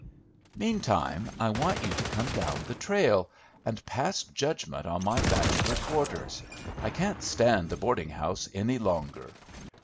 "Meantime, I want you to come down the trail, and pass judgment on my bachelor quarters. I can't stand the boarding house any longer!